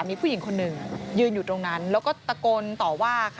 มีผู้หญิงคนหนึ่งยืนอยู่ตรงนั้นแล้วก็ตะโกนต่อว่าค่ะ